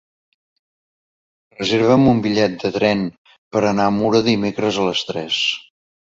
Reserva'm un bitllet de tren per anar a Mura dimecres a les tres.